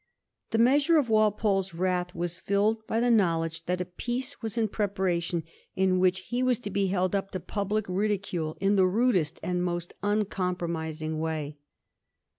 The measure of Walpole's wrath was filled by the knowledge that a piece was in prepara tion in which he was to be held up to public ridicule in the rudest and most uncompromising way.